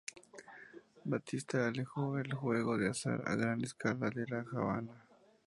Batista alentó el juego de azar a gran escala en La Habana.